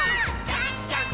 じゃんじゃん！